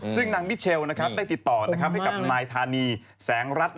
ซึ่งนางมิเชลได้ติดต่อให้กับนายธานีแสงรัฐ